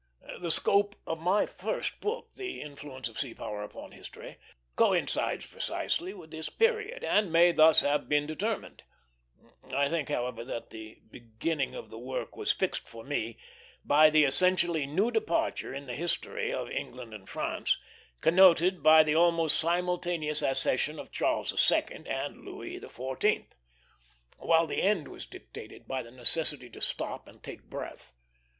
The scope of my first book, The Influence of Sea Power upon History, coincides precisely with this period, and may thus have been determined. I think, however, that the beginning of the work was fixed for me by the essentially new departure in the history of England and France, connoted by the almost simultaneous accession of Charles II. and Louis XIV.; while the end was dictated by the necessity to stop and take breath.